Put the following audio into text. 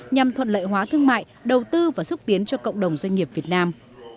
nhằm thuận lợi hóa thương mại đầu tư và xúc tiến cho cộng đồng doanh nghiệp việt nam